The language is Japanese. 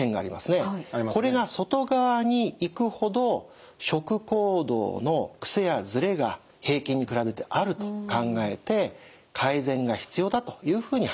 これが外側にいくほど食行動のくせやずれが平均に比べてあると考えて改善が必要だというふうに判定します。